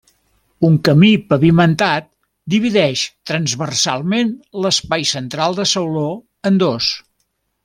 Un camí pavimentat divideix transversalment l’espai central de sauló en dos.